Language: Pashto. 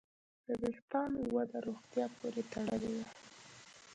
د وېښتیانو وده روغتیا پورې تړلې ده.